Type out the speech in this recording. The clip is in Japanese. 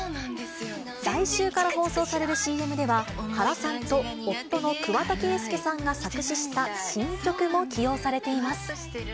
来週から放送されるＣＭでは、原さんと夫の桑田佳祐さんが作詞した新曲も起用されています。